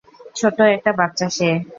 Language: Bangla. ছোটো একটা বাচ্চা সে।